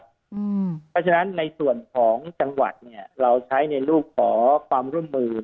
เพราะฉะนั้นในส่วนของจังหวัดเนี่ยเราใช้ในรูปขอความร่วมมือ